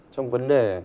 trong vấn đề